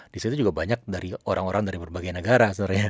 disitu juga banyak orang orang dari berbagai negara